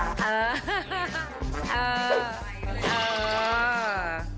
เออเออเออ